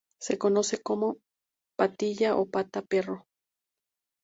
Se conoce como "patilla o pata perro".